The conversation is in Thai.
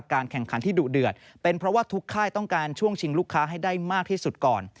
แข่งขันที่ดุเดือดเป็นเพราะว่าทุกค่ายต้องการช่วงชิงลูกค้าให้ได้มากที่สุดก่อน